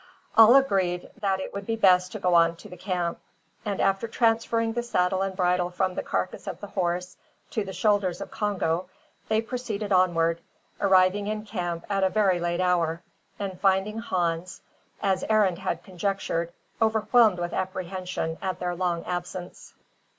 All agreed that it would be best to go on to the camp; and, after transferring the saddle and bridle from the carcass of the horse to the shoulders of Congo, they proceeded onward, arriving in camp at a very late hour, and finding Hans, as Arend had conjectured, overwhelmed with apprehension at their long absence.